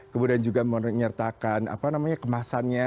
kemudian juga menyertakan kemasannya